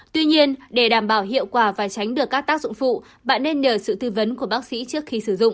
tuy nhiên để đảm bảo hiệu quả và tránh được các tác dụng phụ bạn nên nhờ sự tư vấn của bác sĩ trước khi sử dụng